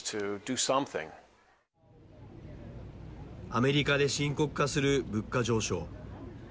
アメリカで深刻化する物価上昇。